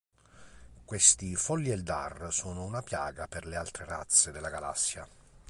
Questi folli Eldar sono una piaga per le altre razze della galassia.